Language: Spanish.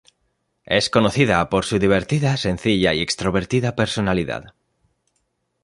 Es conocida por su divertida, sencilla y extrovertida personalidad.